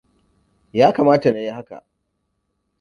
Ya kamata na yi haka.